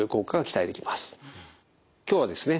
今日はですね